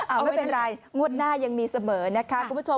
เอาไม่เป็นไรงวดหน้ายังมีเสมอนะคะคุณผู้ชม